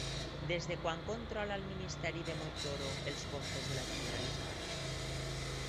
Des de quan controla el ministeri de Montoro els comptes de la Generalitat?